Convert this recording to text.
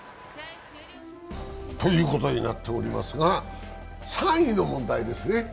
ということになっておりますが、３位の問題ですね。